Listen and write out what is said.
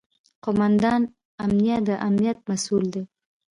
قوماندان امنیه د امنیت مسوول دی